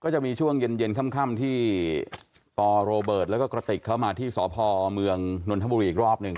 จะมีช่วงเย็นค่ำที่ปโรเบิร์ตแล้วก็กระติกเข้ามาที่สพเมืองนนทบุรีอีกรอบหนึ่ง